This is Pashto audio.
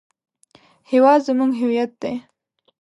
هېواد زموږ هویت دی